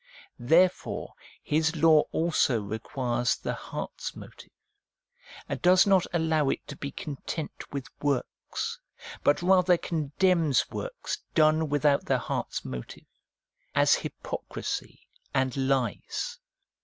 Therefore His law also requires the heart's motive, and does not allow it to be content with works, but rather con demns works done without the heart's motive, as hypocrisy 331 332 APPENDIX and lies.